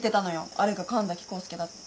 あれが神崎康介だって。